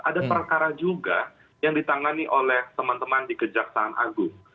ada perkara juga yang ditangani oleh teman teman di kejaksaan agung